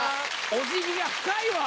お辞儀が深いわ。